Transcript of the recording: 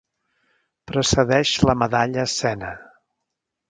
Precedeix la medalla Sena.